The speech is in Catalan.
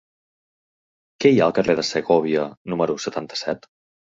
Què hi ha al carrer de Segòvia número setanta-set?